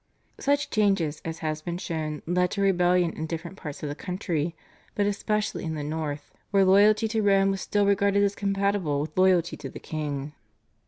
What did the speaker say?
Such changes, as has been shown, led to rebellion in different parts of the country, but especially in the north, where loyalty to Rome was still regarded as compatible with loyalty to the king.